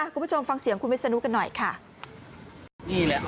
คุณผู้ชมฟังเสียงคุณวิศนุกันหน่อยค่ะ